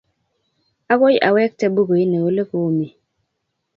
Akoy awekte bukuini ole komi.